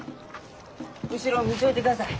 後ろ見ちょいてください。